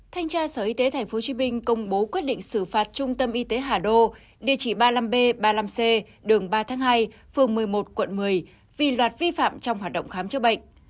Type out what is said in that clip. thanh tra sở y tế tp hcm công bố quyết định xử phạt trung tâm y tế hà đô địa chỉ ba mươi năm b ba mươi năm c đường ba tháng hai phường một mươi một quận một mươi vì loạt vi phạm trong hoạt động khám chữa bệnh